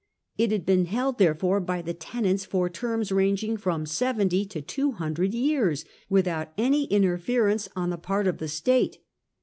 It had been held, therefore, by the tenants for terms ranging from seventy to two hundred years, without any inter ference on the |)art of the state.